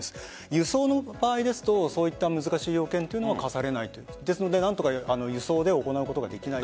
輸送の場合だとそういった難しい要件は課されないと何とか行うことができないかと。